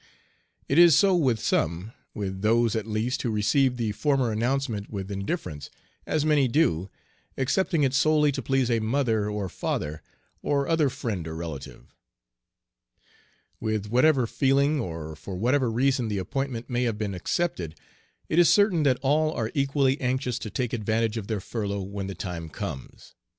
It is so with some, with those, at least, who received the former announcement with indifference, as many do, accepting it solely to please a mother, or father, or other friend or relative. With whatever feeling, or for whatever reason the appointment may have been accepted, it is certain that all are equally anxious to take advantage of their furlough when the time comes.